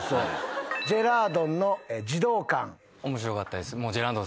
ジェラードンの「児童館」面白かったです。